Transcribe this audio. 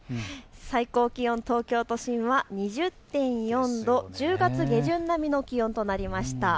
最高気温、東京都心は２０．４度、１０月下旬並みの気温となりました。